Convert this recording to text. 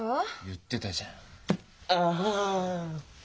言ってたじゃん「アハン」。